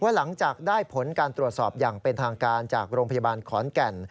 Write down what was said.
หลังจากได้ผลการตรวจสอบอย่างเป็นทางการจากโรงพยาบาลขอนแก่น